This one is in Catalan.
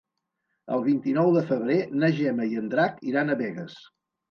El vint-i-nou de febrer na Gemma i en Drac iran a Begues.